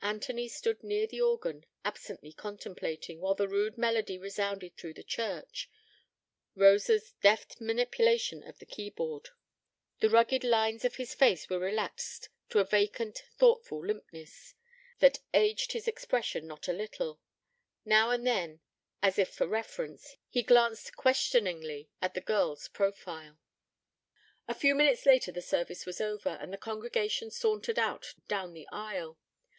Anthony stood near the organ, absently contemplating, while the rude melody resounded through the church, Rosa's deft manipulation of the key board. The rugged lines of his face were relaxed to a vacant, thoughtful limpness, that aged his expression not a little: now and then, as if for reference, he glanced questioningly at the girl's profile. A few minutes later the service was over, and the congregation sauntered out down the aisle.